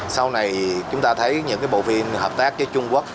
sau này chúng ta thấy những bộ phim hợp tác với trung quốc